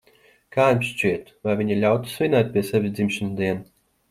Kā jums šķiet, vai viņa ļautu svinēt pie sevis dzimšanas dienu?